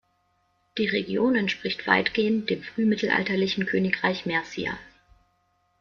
Die Region entspricht weitgehend dem frühmittelalterlichen Königreich Mercia.